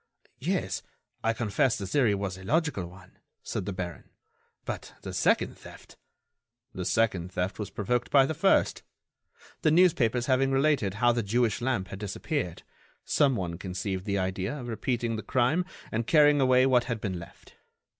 "Yes, I confess the theory was a logical one," said the baron. "But the second theft—" "The second theft was provoked by the first. The newspapers having related how the Jewish lamp had disappeared, some one conceived the idea of repeating the crime and carrying away what had been left.